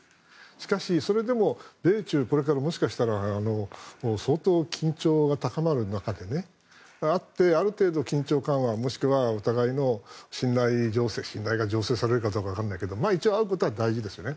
しかし、それでも、米中これからもしかしたら相当、緊張が高まる中である程度、緊張緩和もしくはお互いの信頼醸成信頼が醸成されるかどうかわからないけど一応、会うことは大事ですよね。